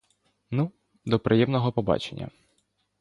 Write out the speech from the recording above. Ну, до приємного побачення.